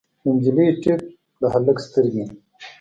د نجلۍ ټیک، د هلک سترګې